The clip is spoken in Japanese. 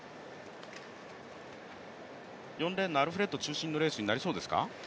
４レーンのアルフレッド中心のレースになりそうですか？